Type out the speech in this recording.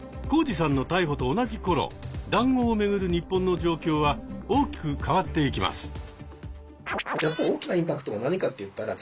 コウジさんの逮捕と同じ頃談合を巡る日本の状況は大きく変わっていきます。